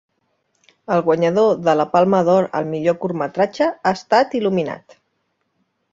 El guanyador de la Palma d'Or al millor curtmetratge ha estat il·luminat.